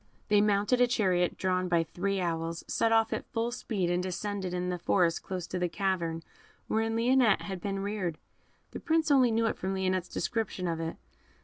They mounted a chariot drawn by three owls, set off at full speed, and descended in the forest close to the cavern wherein Lionette had been reared. The Prince only knew it from Lionette's description of it.